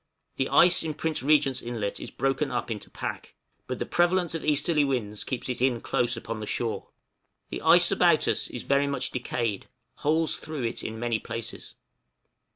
_ The ice in Prince Regent's Inlet is broken up into pack, but the prevalence of easterly winds keeps it in close upon the shore. The ice about us is very much decayed, holes through it in many places.